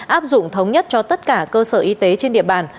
áp dụng thống nhất cho tất cả cơ sở y tế trên địa bàn